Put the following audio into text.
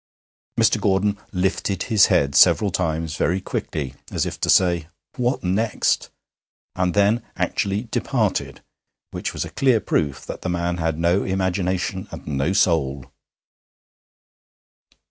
Mr. Gordon lifted his head several times very quickly, as if to say, 'What next?' and then actually departed, which was a clear proof that the man had no imagination and no soul.